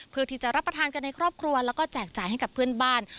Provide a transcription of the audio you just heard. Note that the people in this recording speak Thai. เพื่อที่จะรับประทานกันในครอบครัวแล้วก็แจกจ่ายให้กับเพื่อนบ้าน